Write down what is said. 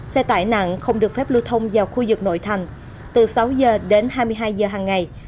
xe tải nặng không được phép lưu thông vào khu vực nội thành từ sáu h đến hai mươi hai giờ hằng ngày